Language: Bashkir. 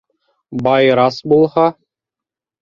Байрас булһа...